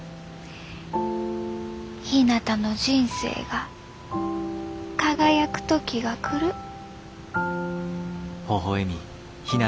ひなたの人生が輝く時が来る。